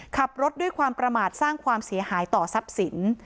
ขับรถด้วยความประมาทสร้างความเสียหายต่อทรัพย์สิน